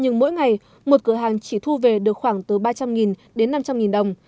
nhưng mỗi ngày một cửa hàng chỉ thu về được khoảng từ ba trăm linh đến năm trăm linh đồng